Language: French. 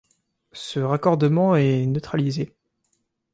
Ce raccordement est neutralisé.